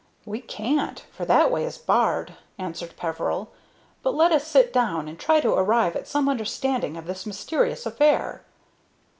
"We can't, for that way is barred," answered Peveril; "but let us sit down and try to arrive at some understanding of this mysterious affair."